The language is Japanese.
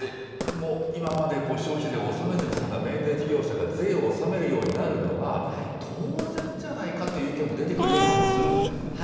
今まで消費税を納めずに済んだ免税事業者が税を納めるようになるのは、当然じゃないかという意見も出てくるような気もするんですよね。